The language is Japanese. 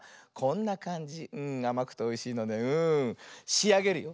しあげるよ。